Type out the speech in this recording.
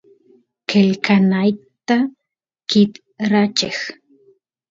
qelqanayta tikracheq